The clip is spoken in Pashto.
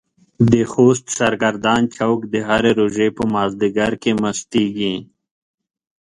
د خوست سرګردان چوک د هرې روژې په مازديګر کې مستيږي.